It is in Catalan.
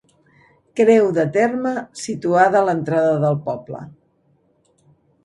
Creu de terme situada a l'entrada del poble.